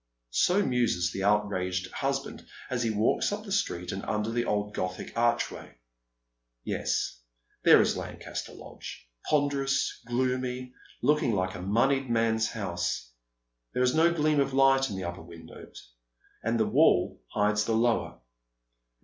So muses the outraged husband as he walks up the street, and under the old Gothic archway. Yes, there is Lancaster Lodge ponderous, gloomy, looking like a moneyed man's house. There is no gleam of light in the upper windows, and the wall hides the lower.